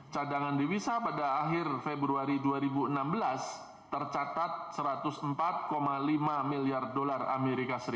cadangan devisa pada akhir februari dua ribu enam belas tercatat satu ratus empat lima miliar dolar as